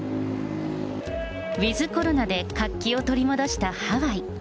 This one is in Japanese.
ウィズコロナで活気を取り戻したハワイ。